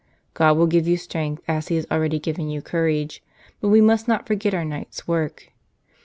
" God will give you strength, as He has already given you courage. But we must not forget our night's work.